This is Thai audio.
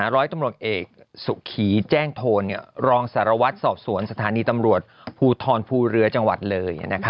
ร้อยตำรวจเอกสุขีแจ้งโทนรองสารวัตรสอบสวนสถานีตำรวจภูทรภูเรือจังหวัดเลย